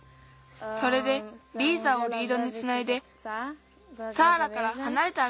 それでリーザをリードにつないでサーラからはなれてあるいたんだ。